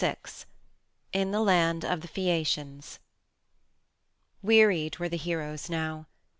VI. IN THE LAND OF THE PHAEACIANS Wearied were the heroes now.